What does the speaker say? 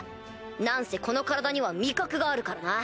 何せこの体には味覚があるからな。